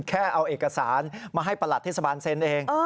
แค่เอาเอกสารมาให้ประหลัดเทศบาลเซ็นเอง